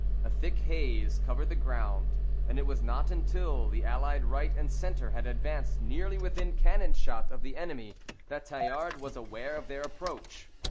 A thick haze covered the ground, and it was not until the allied right and centre had advanced nearly within cannon shot of the enemy that Tallard was aware of their approach.